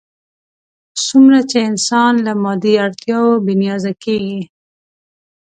څومره چې انسان له مادي اړتیاوو بې نیازه کېږي.